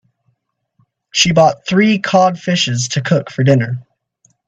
She bought three cod fishes to cook for dinner.